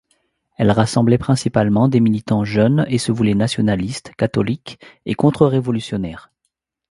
Elle rassemblait principalement des militants jeunes et se voulait nationaliste, catholique et contre-révolutionnaire.